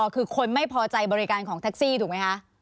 คือคนไม่พอใจบริการของแท็กซี่ถูกไหมคะ